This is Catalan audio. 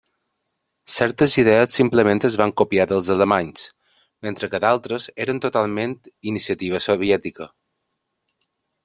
Certes idees simplement es van copiar dels alemanys, mentre que d'altres eren totalment iniciativa soviètica.